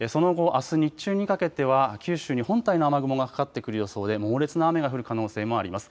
あす日中にかけては九州に本体の雨雲がかかってくる予想で猛烈な雨が降る可能性もあります。